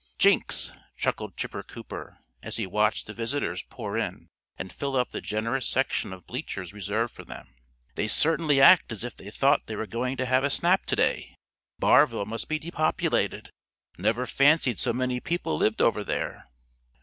"Jinks!" chuckled Chipper Cooper, as he watched the visitors pour in and fill up the generous section of bleachers reserved for them. "They certainly act as if they thought they were going to have a snap to day. Barville must be depopulated. Never fancied so many people lived over there."